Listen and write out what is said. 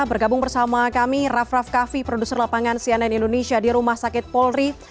bergabung bersama kami raff raff kaffi produser lapangan cnn indonesia di rumah sakit polri